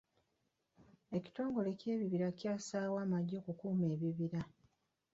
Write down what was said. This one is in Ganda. Ekitongole ky'ebibira kyassaako amagye okukuuma ebibira.